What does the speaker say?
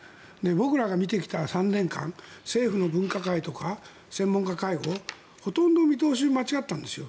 僕らが見てきた３年間政府の分科会とか専門家会合ほとんど見通しが間違ったんですよ。